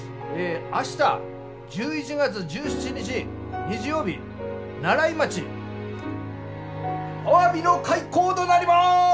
明日１１月１７日日曜日西風町アワビの開口となります！